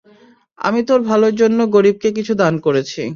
আমি তোর ভালোর জন্য গরিবকে কিছু দান করেছি।